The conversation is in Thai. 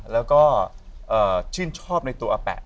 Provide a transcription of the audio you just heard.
และชื่นชอบในตู้อปเปะ